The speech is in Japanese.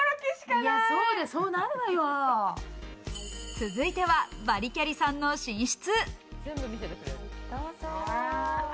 続いてはバリキャリさんの寝室。